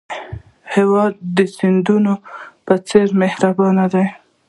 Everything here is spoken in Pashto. هېواد د سیندونو په څېر مهربان دی.